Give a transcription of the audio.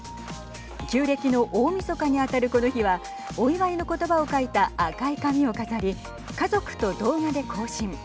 旧暦の大みそかに当たるこの日はお祝いの言葉を書いた赤い紙を飾り家族と動画で交信。